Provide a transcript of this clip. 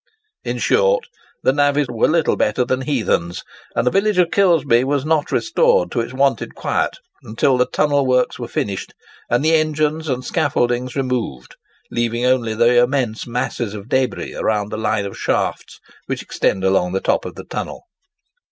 In short, the navvies were little better than heathens, and the village of Kilsby was not restored to its wonted quiet until the tunnel works were finished, and the engines and scaffoldings removed, leaving only the immense masses of débris around the line of shafts which extend along the top of the tunnel.